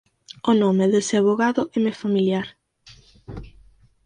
O nome dese avogado éme familiar.